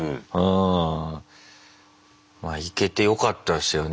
行けてよかったですよね